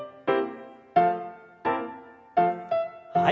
はい。